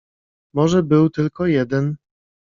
"Może był tylko jeden."